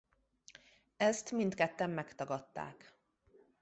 Ezt mindketten megtagadták.